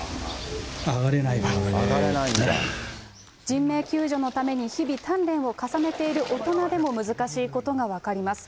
人命救助のために日々、鍛錬を重ねている大人でも難しいことが分かります。